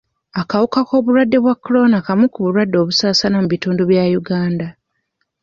Akawuka ka k'obulwadde bwa kolona kamu ku bulwadde obusaasaana mu bitundu bya Uganda.